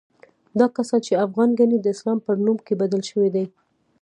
دا کسان چې افغان ګڼي، د اسلام پر نوم کې بدل شوي دي.